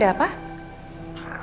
saya mau mengetahui